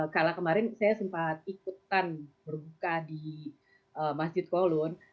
kalau kemarin saya sempat ikutan berbuka di masjid kolun